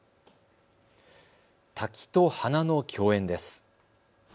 滝と花の共演です。